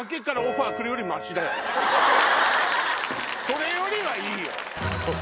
それよりはいいよ。